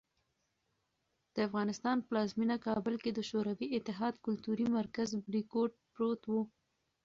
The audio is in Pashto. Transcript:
د افغانستان پلازمېنه کابل کې د شوروي اتحاد کلتوري مرکز "بریکوټ" پروت و.